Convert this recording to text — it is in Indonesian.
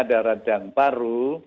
ada radang paru